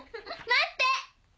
待って！